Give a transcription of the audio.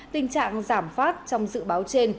tình trạng giảm phát trong dự báo trên